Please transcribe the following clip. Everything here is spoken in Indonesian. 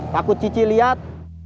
takut cici lihat